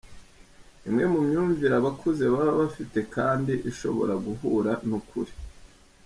Imwe mu myumvire abakuze baba bafite kandi ishobora guhura n’ukuri:.